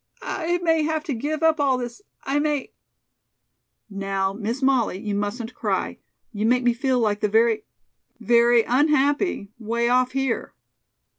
"I may have to give up all this I may " "Now, Miss Molly, you mustn't cry. You make me feel like the very very unhappy, way off here."